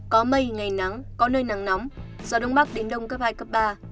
có mây ngày nắng có nơi nắng nóng gió đông bắc đến đông cấp hai cấp ba